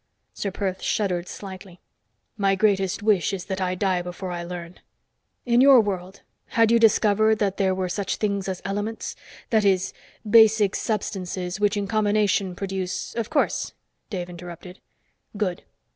Ser Perth shuddered slightly. "My greatest wish is that I die before I learn. In your world, had you discovered that there were such things as elements? That is, basic substances which in combination produce " "Of course," Dave interrupted. "Good.